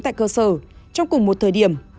tại cơ sở trong cùng một thời điểm